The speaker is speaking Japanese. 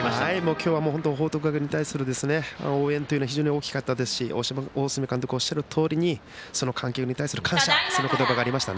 今日は報徳学園に対する応援というのは非常に大きかったですし大角監督おっしゃるとおりにその観客に対する感謝がありました。